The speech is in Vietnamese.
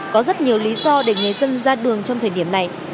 có rất nhiều lý do để người dân ra đường trong thời điểm này